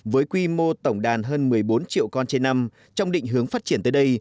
với quy mô tổng đàn hơn một mươi bốn triệu con trên năm trong định hướng phát triển tới đây